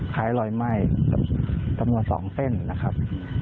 คล้ายรอยไหม้คำนวณสองเต้นนะครับ